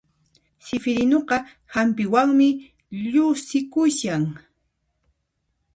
Sifirinuqa hampiwanmi llusikushan